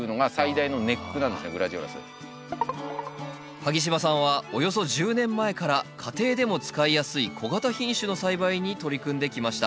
萩島さんはおよそ１０年前から家庭でも使いやすい小型品種の栽培に取り組んできました。